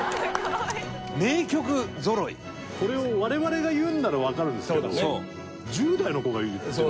富澤：これを、我々が言うんならわかるんですけど１０代の子が言うって。